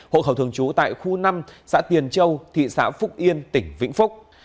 hộ khẩu thường trú tại khu năm xã tiền châu thị xã phúc yên tỉnh vĩnh phúc